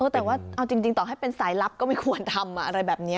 แต่ว่าเอาจริงต่อให้เป็นสายลับก็ไม่ควรทำอะไรแบบนี้